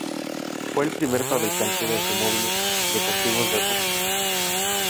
Fue el primer fabricante de automóviles deportivos de Rusia.